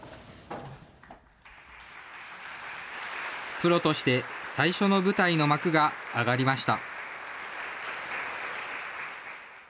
プロとして最初の舞台の幕が上がりました。